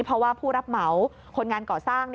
เพราะว่าผู้รับเหมาคนงานก่อสร้าง